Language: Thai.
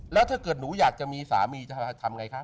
แล้วถ้าเกิดหนูอยากจะมีสามีจะทำไงคะ